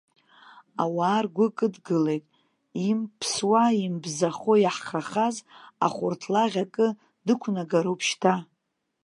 Ауаа ргәы кыдгылеит, имԥсуа-ибзамхо иаҳхахаз ахәырҭлаӷь акы дықәнагароуп шьҭа.